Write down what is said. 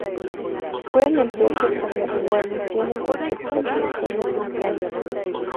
Pueden emplearse como guarnición en cualquier plato de carne o pescado.